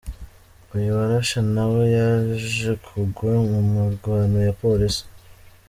Uyu warashe nawe yaje kugwa mu mirwano na Polisi.